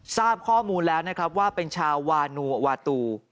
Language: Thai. ทราบข้อมูลแล้วนะครับว่าเป็นชาววานูวาตู